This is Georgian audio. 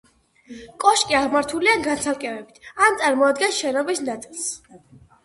კოშკი აღმართულია განცალკევებით, ან წარმოადგენს შენობის ნაწილს.